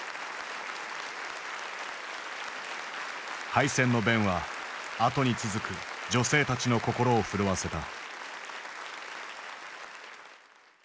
敗戦の弁は後に続く女性たちの心を震わせた。